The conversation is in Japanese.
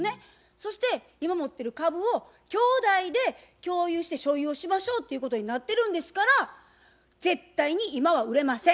そして今持ってる株を兄弟で共有して所有をしましょうっていうことになってるんですから絶対に今は売れません。